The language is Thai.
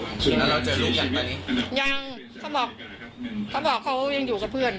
แล้วเราเจอลูกอย่างตอนนี้ยังเขาบอกเขาบอกเขายังอยู่กับเพื่อนอยู่